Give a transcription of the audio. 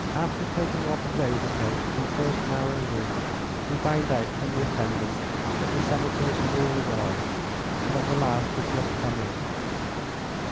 After taking off his overcoat in the first narrow room, he found out from the attendant that the Senators had all arrived, and that the last had just come in.